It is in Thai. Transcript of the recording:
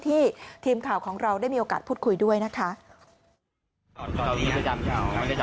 ทีมข่าวของเราได้มีโอกาสพูดคุยด้วยนะคะ